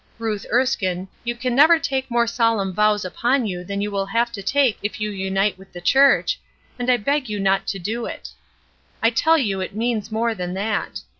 Ruth Erskine, you can never take more solemn vows upon you than you will have to take if you unite with the church, and I beg you not to do it. I tell you it means more than that.